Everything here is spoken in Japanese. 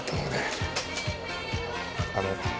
あの？